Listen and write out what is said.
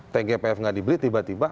tgpf nggak dibeli tiba tiba